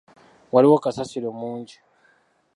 Waliwo kasasiro mungi.